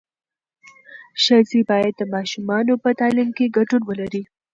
ښځې باید د ماشومانو په تعلیم کې ګډون ولري.